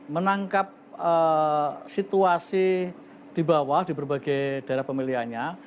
menangkap situasi di bawah di berbagai daerah pemilihannya